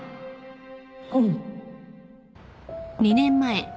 うん